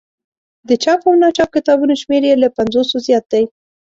د چاپ او ناچاپ کتابونو شمېر یې له پنځوسو زیات دی.